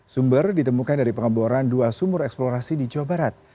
sumber ditemukan dari pengeboran dua sumur eksplorasi di jawa barat